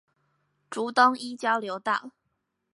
竹東一交流道